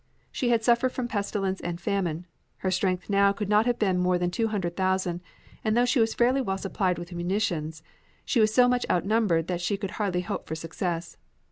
She had suffered from pestilence and famine. Her strength now could not have been more than two hundred thousand, and though she was fairly well supplied with munitions, she was so much outnumbered that she could hardly hope for success.